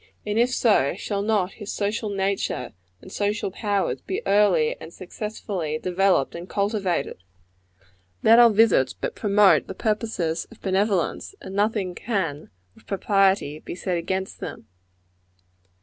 And if so, shall not his social nature and social powers be early and successfully developed and cultivated? Let our visits but promote the purposes of benevolence, and nothing can, with propriety, be said against them.